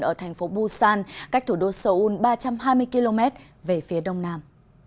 ở thành phố busan cách thủ đô seoul ba trăm hai mươi km về phía đông nam